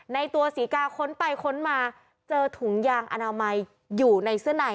ในตัวศรีกาค้นไปค้นมาเจอถุงยางอนามัยอยู่ในเสื้อใน